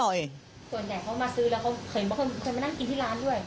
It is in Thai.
ส่วนใหญ่เขามาซื้อแล้วเขาเห็นว่าเคยมานั่งกินที่ร้านด้วย